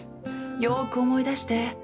よく思い出して。